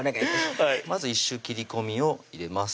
まず１周切り込みを入れます